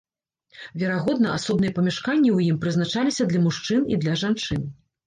Верагодна, асобныя памяшканні ў ім прызначаліся для мужчын і для жанчын.